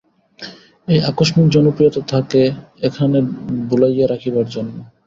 এই আকস্মিক জনপ্রিয়তা তাকে এখানে ভুলাইয়া রাখিবার জন্য।